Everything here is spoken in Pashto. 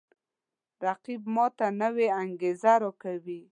رقیب ما ته نوی انگیزه راکوي